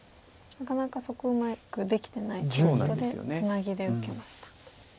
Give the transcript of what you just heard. なかなかそこうまくできてないということでツナギで受けました。